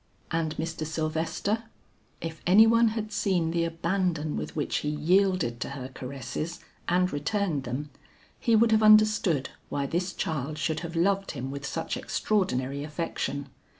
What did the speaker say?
And Mr. Sylvester? If any one had seen the abandon with which he yielded to her caresses and returned them, he would have understood why this child should have loved him with such extraordinary affection.